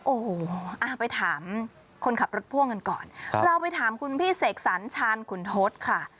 โอ้โหไปถามคนขับรถพ่วงกันก่อนเราไปถามคุณพี่เสกสรรชาญขุนทศค่ะ